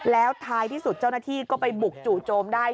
แล้วท้ายที่สุดเจ้าหน้าที่ก็ไปบุกจู่โจมได้